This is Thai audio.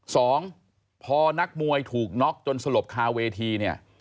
สองพอนักมวยถูกน็อกจนสลบคาเวทีเนี่ย